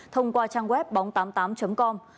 thông qua trang web bóng tám mươi tám com